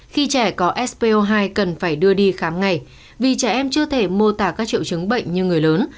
khi trẻ có sp hai cần phải đưa đi khám ngày vì trẻ em chưa thể mô tả các triệu chứng bệnh như người lớn